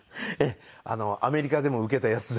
アメリカでもウケたやつですね。